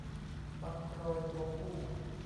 บังโกรยตัวผู้